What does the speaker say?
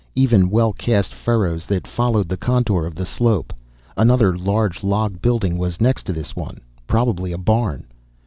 Even, well cast furrows that followed the contour of the slope. Another, larger log building was next to this one, probably a barn.